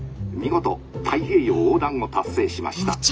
見事太平洋横断を達成しました」。